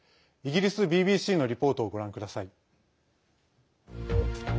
イギリスＢＢＣのリポートをご覧ください。